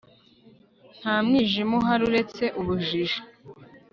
nta mwijima uhari uretse ubujiji